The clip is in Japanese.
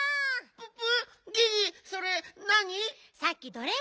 ププ！